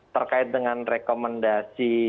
terkait dengan rekomendasi